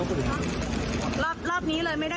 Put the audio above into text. กลับเลยใช่ไหมคะ